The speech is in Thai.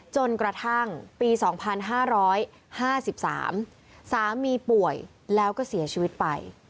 จนกระทั่งปี๒๕๕๓สามีป่วยแล้วก็เสียชีวิตไป